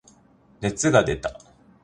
熱が出た。